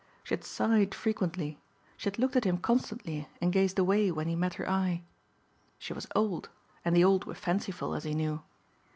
She had sighed frequently. She had looked at him constantly and gazed away when he met her eye. She was old, and the old were fanciful as he knew.